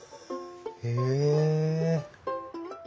へえ。